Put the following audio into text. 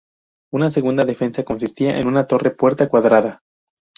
Una segunda defensa consistía en una torre-puerta cuadrada.